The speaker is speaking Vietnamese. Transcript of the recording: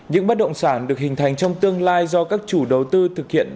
những bất động sản được hình thành trong tương lai do các chủ đầu tư thực hiện